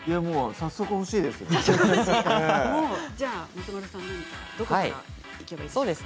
早速欲しいです。